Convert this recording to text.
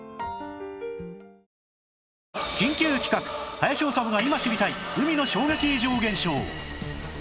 林修が今知りたい海の衝撃異常現象